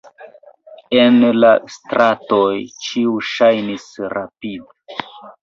En la stratoj ĉiu ŝajnis rapid.